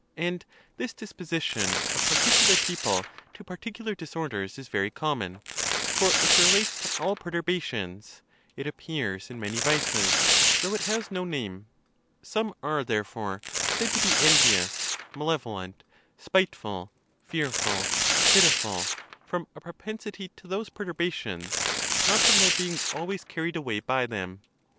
And this disposition of particular people to particular disorders is very common: for it re lates to all perturbations; it appears in many vices, though it has no name. Some are, therefore, said to be envious, malevolent, spiteful, fearful, pitiful, from a propensity to those perturbations, not from their being always carried away by them.